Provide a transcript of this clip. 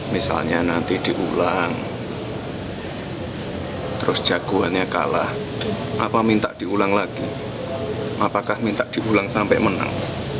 misalnya nanti diulang terus jagoannya kalah apa minta diulang lagi apakah minta diulang sampai menang